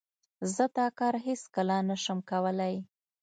زه دا کار هیڅ کله نه شم کولای.